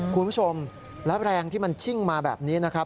คุณผู้ชมแล้วแรงที่มันชิ่งมาแบบนี้นะครับ